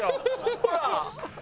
ほら！